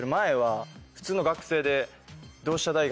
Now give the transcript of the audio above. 普通の学生で。